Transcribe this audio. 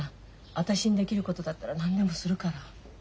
私にできることだったら何でもするから。